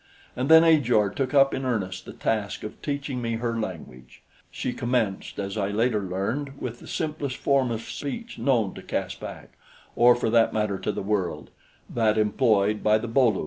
And then Ajor took up in earnest the task of teaching me her language. She commenced, as I later learned, with the simplest form of speech known to Caspak or for that matter to the world that employed by the Bo lu.